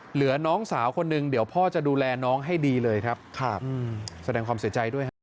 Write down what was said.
น้องสาวคนหนึ่งเดี๋ยวพ่อจะดูแลน้องให้ดีเลยครับครับแสดงความเสียใจด้วยฮะ